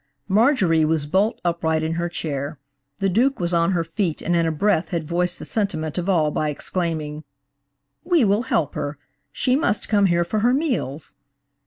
Marjorie was bolt upright in her chair. The Duke was on her feet and in a breath had voiced the sentiment of all, by exclaiming, "We will help her! She must come here for her meals!"